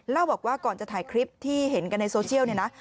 เล่าบอกว่าก่อนจะถ่ายคลิปที่เห็นกันในโซเชียลเนี่ยนะ